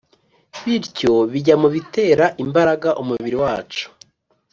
bityo bijya mu bitera imbaraga umubiri wacu.